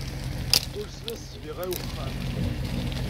Ulsen-as ssbiɣa i wexxam.